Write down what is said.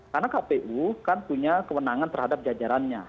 karena kpu kan punya kewenangan terhadap jajarannya